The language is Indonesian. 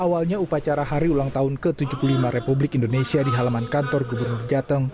awalnya upacara hari ulang tahun ke tujuh puluh lima republik indonesia di halaman kantor gubernur jateng